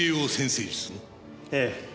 ええ。